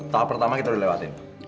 tahap pertama kita lewatin